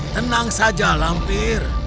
tenang saja lampir